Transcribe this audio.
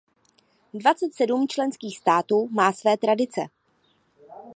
Dvacet sedm členských států má své tradice.